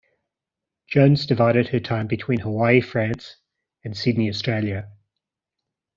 Jones divided her time between Hawaii, France and Sydney, Australia.